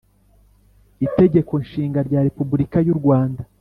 Itegeko Nshinga rya Repubulika y’U Rwanda